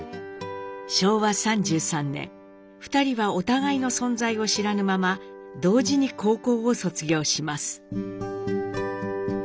昭和３３年２人はお互いの存在を知らぬまま同時に高校を卒業します。